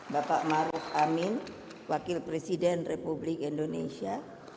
bapak maruf amin wakil presiden republik indonesia